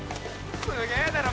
すげえだろ。